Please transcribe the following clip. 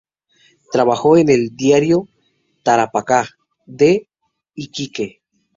Trabajó en el diario "El Tarapacá" de Iquique.